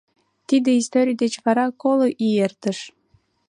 Тиде историй деч вара коло ий эртыш.